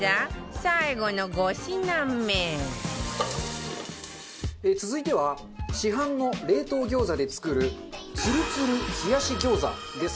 最後の５品目続いては市販の冷凍餃子で作るつるつる冷やし餃子です。